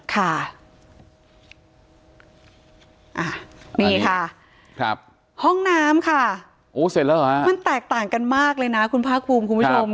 ค่ะนี่ค่ะครับห้องน้ำค่ะโอ้เสร็จแล้วเหรอฮะมันแตกต่างกันมากเลยนะคุณภาคภูมิคุณผู้ชม